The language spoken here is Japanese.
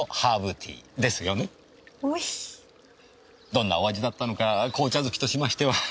どんなお味だったのか紅茶好きとしましては。